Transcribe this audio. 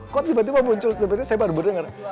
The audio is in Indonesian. kok tiba tiba muncul tiba tiba saya baru berdengar